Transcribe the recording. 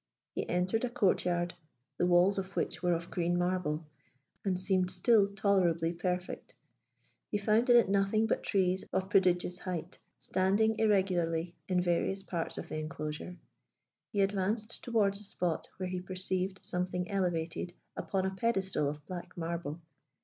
He entered a court yard, the walls of which were of green marble, and seemed still tolerably perfect. He found in it nothing but trees of prodigious height, standing irregularly in various parts of the enclosure. He advanced towards a spot where he perceived something elevated upon a pedestal of black marble.